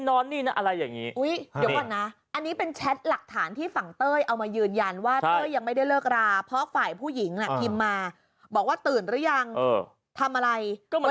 ก็มันคุยกันเป็นแฟนปกติ